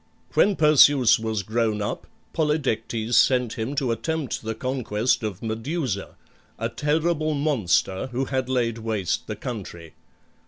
When Perseus was grown up Polydectes sent him to attempt the conquest of Medusa, a terrible monster who had laid waste the country.